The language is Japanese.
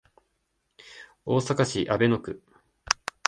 大阪市阿倍野区